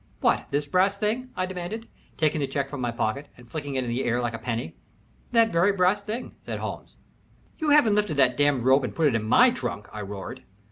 "What, this brass thing?" I demanded, taking the check from my pocket and flicking it in the air like a penny. "That very brass thing," said Holmes. "You haven't lifted that damned rope and put it in my trunk!" I roared.